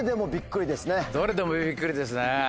どれでもびっくりですね。